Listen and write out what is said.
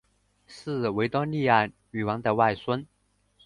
是维多利亚女王的外孙。